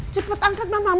cepet angkat mamamu